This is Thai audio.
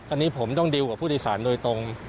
อันนี้ผมต้องดิวกับผู้โดยสารโดยตรง